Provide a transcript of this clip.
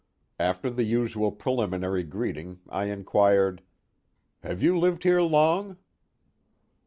After the usual preliminary greeting I inquired : Have you lived here long